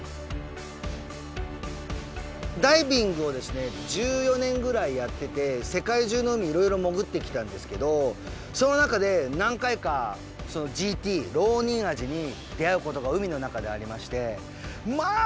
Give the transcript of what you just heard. ダイビングをですね１４年ぐらいやってて世界中の海いろいろ潜ってきたんですけどその中で何回かＧＴロウニンアジに出会うことが海の中でありましてまあ